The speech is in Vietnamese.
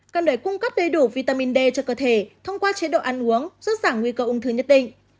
cần để cung cấp đầy đủ vitamin d cho cơ thể thông qua chế độ ăn uống giúp giảm nguy cơ ung thư nhất định